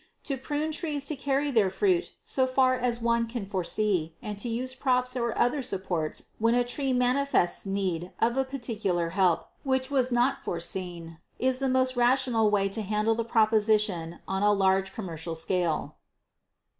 To prune trees to carry their fruit so far as one can foresee, and to use props or other supports when a tree manifests need of a particular help which was not foreseen is the most rational way to handle the proposition on a large commercial scale.